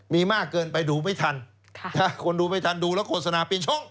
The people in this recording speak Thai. มีมากเกินไปดูไม่ทันคนดูไม่ทันดูแล้วโฆษณาเปลี่ยนช่อง